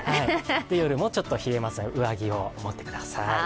夜もちょっと冷えますので、上着を持ってください。